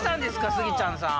スギちゃんさん。